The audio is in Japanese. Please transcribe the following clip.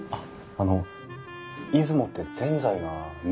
あの出雲ってぜんざいが名物なんですか？